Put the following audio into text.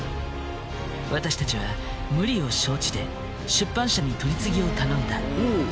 私たちは無理を承知で出版社に取り次ぎを頼んだ。